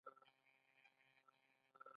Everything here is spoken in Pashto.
پخواني خلک په دې ډاډه نه وو.